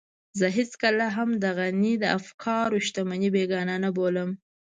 زه هېڅکله هم د غني د افکارو شتمنۍ بېګانه نه بولم.